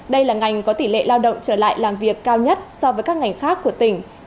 đây là ngành có tỷ lệ lao động trở lại làm việc cao nhất so với các ngành khác của tỉnh